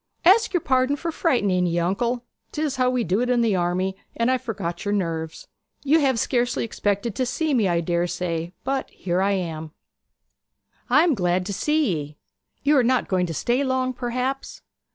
'Ask your pardon for frightening ye, uncle. 'Tis how we do in the army, and I forgot your nerves. You have scarcely expected to see me, I dare say, but here I am.' 'I am glad to see ye. You are not going to stay long, perhaps?'